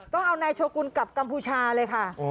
ต้องเอานายโชกุลกลับกัมพูชาเลยค่ะ